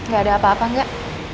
gak ada apa apa enggak